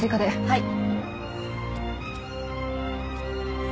はい。